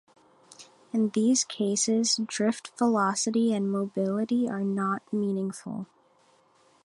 In these cases, drift velocity and mobility are not meaningful.